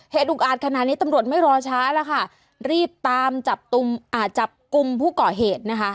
เหตุอุกอาจขนาดนี้ตำรวจไม่รอช้าแล้วค่ะรีบตามจับกุมผู้ก่อเหตุนะฮะ